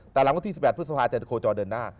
แต่หลังวันที่๑๘พฤษภาจะโคจรเดินหน้า